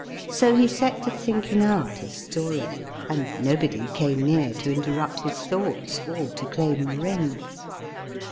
So he set to thinking out a story, and nobody came near to interrupt his thoughts or to claim the ring.